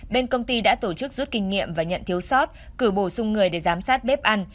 bên công ty đã tổ chức rút kinh nghiệm và nhận thiếu sót cử bổ sung người để giám sát bếp ăn